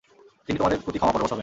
তিনি তোমাদের প্রতি ক্ষমাপরবশ হবেন।